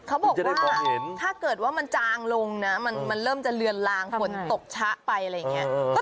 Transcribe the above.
เขาบอกว่าถ้าเกิดว่ามันจางลงนะมันเริ่มจะเลือนลางฝนตกชะไปอะไรอย่างนี้